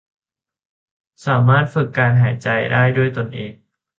สามารถฝึกการหายใจได้ด้วยตนเอง